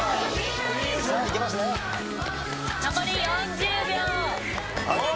残り４０秒。